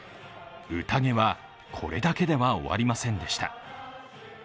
宴はこれだけでは終わりませんでした。